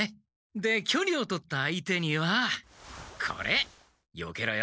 できょりを取った相手にはこれ！よけろよ！